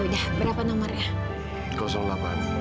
yaudah berapa nomornya